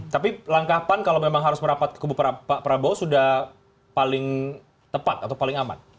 tapi langkah pan kalau memang harus merapat ke kubu pak prabowo sudah paling tepat atau paling aman